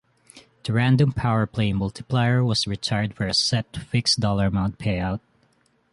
The random "Power Play" multiplier was retired for a set, fixed dollar amount payout.